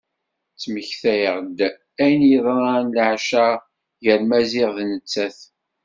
Tettmektay-d ayen i yeḍran leɛca-nni gar Maziɣ d nettat.